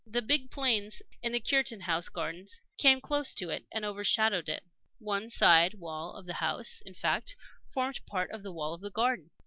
The big planes in the Cureton House gardens came close to it and overshadowed it; one side wall of the house, in fact, formed part of the wall of the garden.